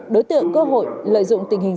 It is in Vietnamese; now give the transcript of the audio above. đối tượng cơ hội lợi dụng tình hình